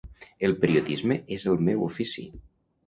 El periodisme és el meu ofici.